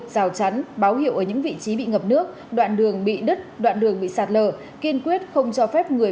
rào chắn báo hiệu ở những vị trí bị ngập nước đoạn đường bị đứt đoạn đường bị sạt lở kiên quyết không cho phép người